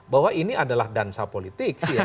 bahwa ini adalah dansa politik